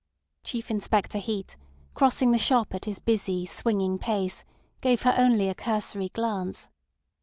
Chief Inspector Heat, crossing the shop at his busy, swinging pace, gave her only a cursory glance.